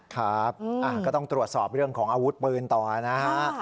ครับก็ต้องตรวจสอบเรื่องของอาวุธปืนต่อนะฮะ